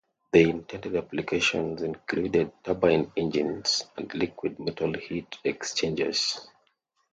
The intended applications included turbine engines and liquid metal heat exchangers.